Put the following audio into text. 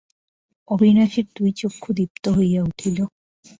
অবিনাশের দুই চক্ষু দীপ্ত হইয়া উঠিল।